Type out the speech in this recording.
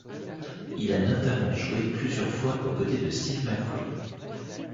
Il a notamment joué plusieurs fois aux côtés de Steve McQueen.